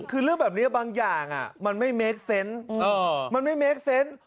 คือเรื่องแบบนี้บางอย่างมันไม่เมคเซนต์มันไม่เคคเซนต์